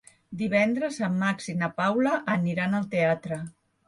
Divendres en Max i na Paula aniran al teatre.